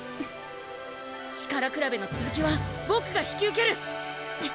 力くらべのつづきはボクが引き受ける！